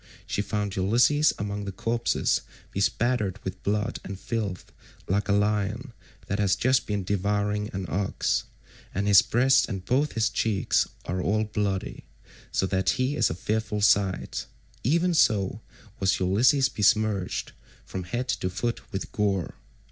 She found Ulysses among the corpses bespattered with blood and filth like a lion that has just been devouring an ox, and his breast and both his cheeks are all bloody, so that he is a fearful sight; even so was Ulysses besmirched from head to foot with gore.